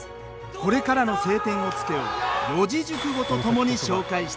これからの「青天を衝け」を四字熟語と共に紹介していきます。